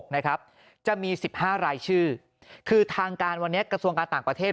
นะครับจะมี๑๕รายชื่อคือทางการวันนี้กระทรวงการต่างประเทศ